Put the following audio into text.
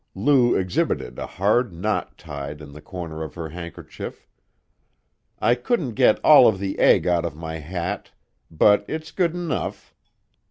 Lou exhibited a hard knot tied in the corner of her handkerchief. "I couldn't get all of the egg out of my hat, but it's good enough.